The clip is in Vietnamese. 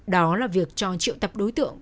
đó là việc cho triệu tập đối tượng